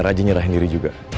razi nyerahin diri juga